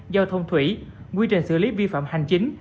giao thông thủy quy trình xử lý vi phạm hành chính